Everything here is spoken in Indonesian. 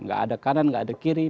nggak ada kanan nggak ada kiri